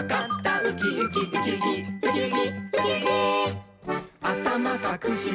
「ウキウキウキウキウキウキ」